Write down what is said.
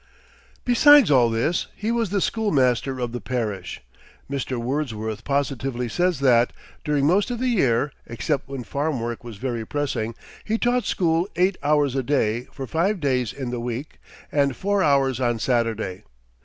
Besides all this, he was the schoolmaster of the parish. Mr. Wordsworth positively says that, during most of the year, except when farm work was very pressing, he taught school eight hours a day for five days in the week, and four hours on Saturday.